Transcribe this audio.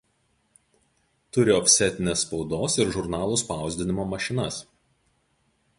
Turi ofsetinės spaudos ir žurnalų spausdinimo mašinas.